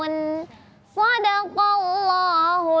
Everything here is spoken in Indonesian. in kuntum ta alabuhu